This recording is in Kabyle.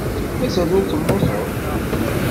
Mazal ur temmuteḍ.